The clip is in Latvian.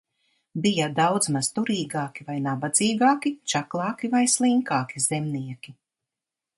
Bija daudzmaz turīgāki vai nabadzīgāki, čaklāki vai slinkāki zemnieki.